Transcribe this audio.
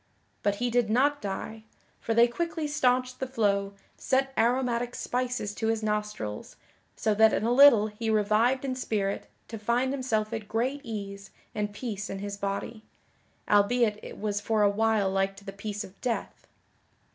But he did not die, for they quickly staunched the flow, set aromatic spices to his nostrils, so that in a little he revived in spirit to find himself at great ease and peace in his body (albeit it was for a while like to the peace of death).